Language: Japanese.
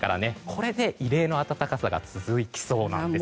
これで異例の暖かさが続きそうなんです。